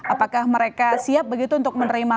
apakah mereka siap begitu untuk menerima